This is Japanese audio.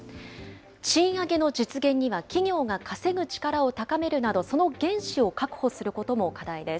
賃上げの実現には企業が稼ぐ力を高めるなど、その原資を確保することも課題です。